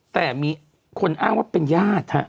แต่มีคนอ้างว่าเป็นญาติฮะ